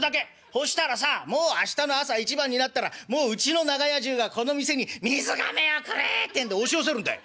そしたらさもう明日の朝一番になったらもううちの長屋中がこの店に『水がめをくれ』ってんで押し寄せるんだい。